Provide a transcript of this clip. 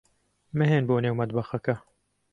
مەھێن بۆ نێو مەتبەخەکە.